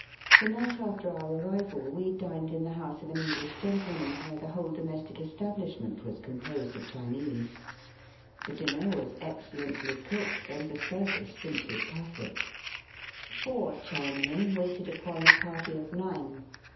The night after our arrival we dined in the house of an English gentle man where the whole domestic estabhshment •was composed of Chinese. The dinner was Digitized by VjOOQIC THE GEBBALTAR OF THE EAST. 117 €!xcellently cooked, and the service simply perfect. Four Chinamen waited upon a party of nine.